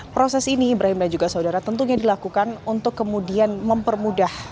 proses ini ibrahim dan juga saudara tentunya dilakukan untuk kemudian mempermudah